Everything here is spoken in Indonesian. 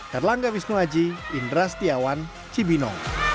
terlanggap ismu aji indra setiawan cibino